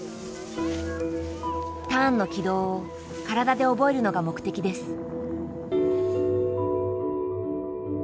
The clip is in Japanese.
ターンの軌道を体で覚えるのが目的です。